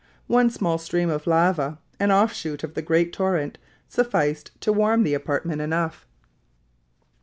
One small stream of lava, an off shoot of the great torrent, sufficed to warm the apartment enough.